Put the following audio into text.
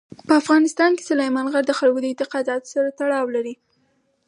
په افغانستان کې سلیمان غر د خلکو د اعتقاداتو سره تړاو لري.